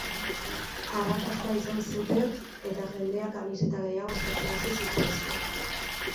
Arrakasta izan zuten etajendea kamiseta gehiago eskatzen hasi zitzaizkien.